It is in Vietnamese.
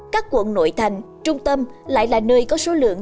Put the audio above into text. các quận nội thành trung tâm lại là nơi có số lượng